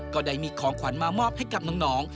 ก็ได้มีของขวัญมามอบให้กับน้อง